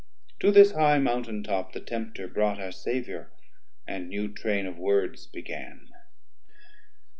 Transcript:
To this high mountain top the Tempter brought Our Saviour, and new train of words began.